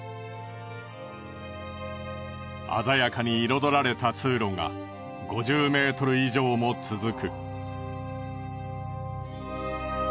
鮮やかに彩られた通路が５０メートル以上も続く。